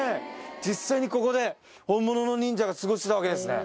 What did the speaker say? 実際にここで本物の忍者が過ごしてたわけですね。